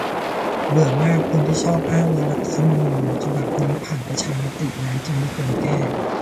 เบื่อมาก คนที่ชอบอ้างว่า รัฐธรรมนูญ ฉบับนี้ผ่านประชามติแล้ว จึงไม่ควรแก้